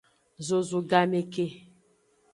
Zozu game ke.